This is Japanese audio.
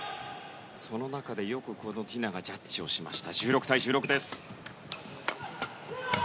その中で、よくティナがジャッジしました。